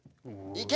いけ！